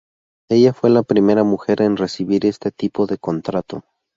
Ella fue la primera mujer en recibir este tipo de contrato.